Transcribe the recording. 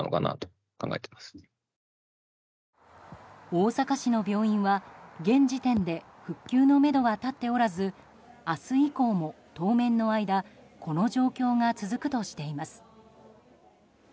大阪市の病院は現時点で復旧のめどは立っておらず明日以降も当面の間この状況が続くとしています。